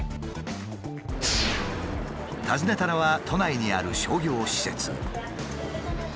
訪ねたのは都内にある商業施設。